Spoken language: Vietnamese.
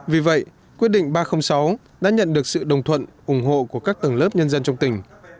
vì vậy quyết định ba trăm linh sáu đã nhận được sự đồng thuận ủng hộ của các tầng lớp nhân dân trong tỉnh